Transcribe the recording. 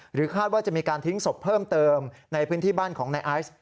คาดว่าจะมีการทิ้งศพเพิ่มเติมในพื้นที่บ้านของนายไอซ์